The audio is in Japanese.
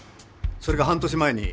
それが半年前に。